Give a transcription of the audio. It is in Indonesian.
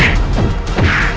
neng mau ke temen temen kita